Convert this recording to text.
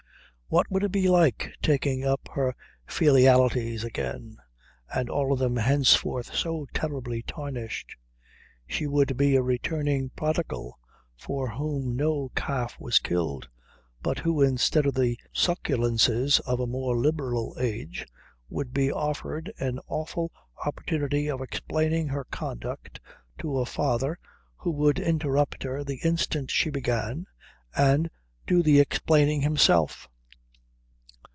What would it be like, taking up her filialities again, and all of them henceforth so terribly tarnished? She would be a returning prodigal for whom no calf was killed, but who instead of the succulences of a more liberal age would be offered an awful opportunity of explaining her conduct to a father who would interrupt her the instant she began and do the explaining himself.